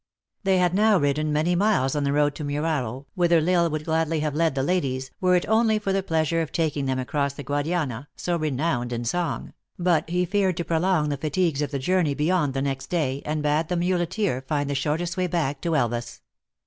They had now ridden many miles on the road to Murao, whither L Isle would gladly have led the ladies, were it only for the pleasure of taking them across the Guadiana, so renowned in song; but he feared to prolong the fatigues of the journey beyond the next day, and bade the muleteer find the shortest way back to Elvas.